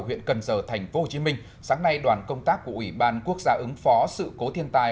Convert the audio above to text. huyện cần giờ tp hcm sáng nay đoàn công tác của ủy ban quốc gia ứng phó sự cố thiên tai